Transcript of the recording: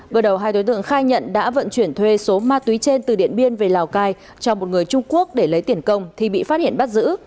bước đầu hai đối tượng khai nhận đã vận chuyển thuê số ma túy trên từ điện biên về lào cai cho một người trung quốc để lấy tiền công thì bị phát hiện bắt giữ